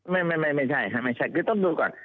ไม่ใช่ครับไม่ใช่คือต้องดูก่อน